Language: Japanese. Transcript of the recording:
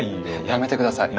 やめてください。